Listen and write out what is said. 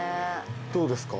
どうですか？